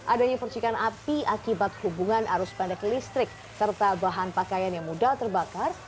adanya percikan api akibat hubungan arus pendek listrik serta bahan pakaian yang mudah terbakar